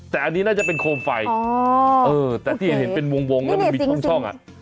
แต่อันนี้น่าจะเป็นโคมไฟแต่ที่เห็นเป็นวงแล้วมันมีช่องอ่ะ